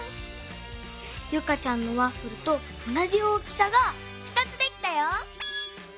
ユカちゃんのワッフルとおなじ大きさが２つできたよ！